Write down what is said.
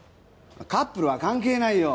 カップルは関係ないよ。